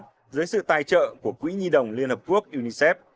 năm hai nghìn tám dưới sự tài trợ của quỹ nhi đồng liên hợp quốc unicef